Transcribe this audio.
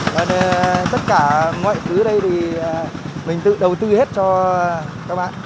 và tất cả mọi thứ đây thì mình tự đầu tư hết cho các bạn